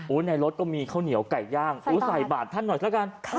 อุ้ยในรถก็มีข้าวเหนียวไก่ย่างใส่บาทท่านหน่อยซักการค่ะ